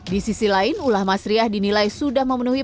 di sisi lain ulah mas riah dinilai sudah memenuhi